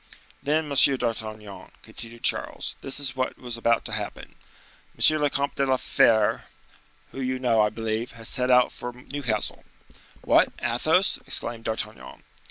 "Then, Monsieur d'Artagnan," continued Charles, "this is what was about to happen: M. le Comte de la Fere, who you know, I believe, has set out for Newcastle." "What, Athos!" exclaimed D'Artagnan.